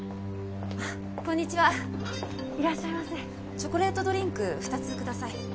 チョコレートドリンク２つください。